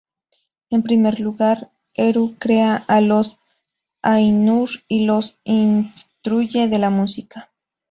En primer lugar, Eru crea a los Ainur y los instruye en la música.